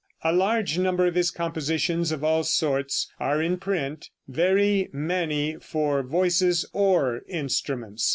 A large number of his compositions of all sorts are in print, very many "for voices or instruments."